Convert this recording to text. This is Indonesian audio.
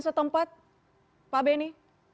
dan setempat pak beni